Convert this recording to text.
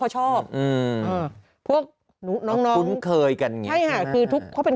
เพราะชอบพวกน้องคุ้นเคยกันใช่ค่ะคือทุกพวกเขาเป็น